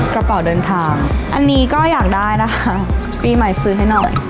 กระเป๋าเดินทางอันนี้ก็อยากได้นะคะปีใหม่ซื้อให้หน่อย